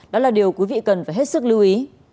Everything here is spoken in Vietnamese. đó là điều quý vị cần phải hết sức lưu ý